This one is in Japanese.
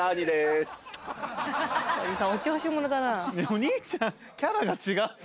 お兄ちゃん。